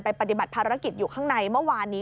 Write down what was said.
ปฏิบัติภารกิจอยู่ข้างในเมื่อวานนี้